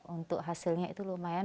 untuk hasilnya itu lumayan